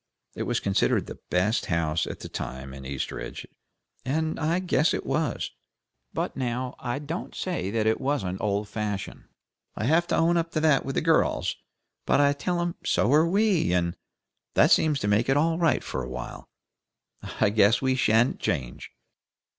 It was considered the best house at the time in Eastridge, and I guess it was. But now, I don't say but what it's old fashioned. I have to own up to that with the girls, but I tell them so are we, and that seems to make it all right for a while. I guess we sha'n't change."